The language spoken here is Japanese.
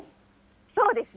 そうですね。